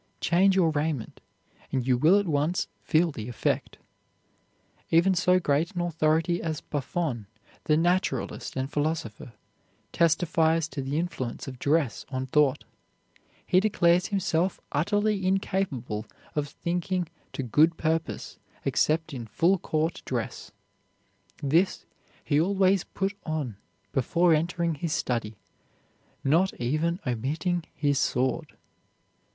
Change your raiment, and you will at once feel the effect." Even so great an authority as Buffon, the naturalist and philosopher, testifies to the influence of dress on thought. He declared himself utterly incapable of thinking to good purpose except in full court dress. This he always put on before entering his study, not even omitting his sword.